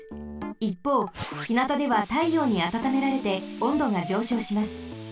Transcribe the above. いっぽうひなたではたいようにあたためられておんどがじょうしょうします。